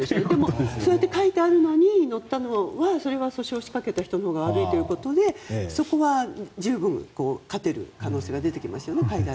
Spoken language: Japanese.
そうやって書いてあるのに乗ったならそれは訴訟を仕掛けたほうが悪いということでそこは十分勝てる可能性が出てきますよね。